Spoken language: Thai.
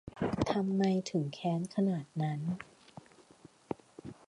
ทำไมถึงแค้นขนาดนั้น